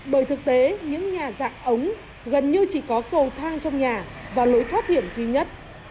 bởi thực tế những nhà dạng ống gần như chỉ có cầu thang trong nhà và lối thoát hiểm duy nhất